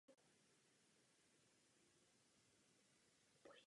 Proč zde nevystoupil žádný jejich pověřený mluvčí?